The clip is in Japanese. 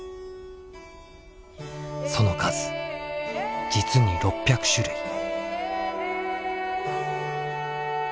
その数実に６００種類。